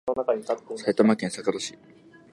埼玉県坂戸市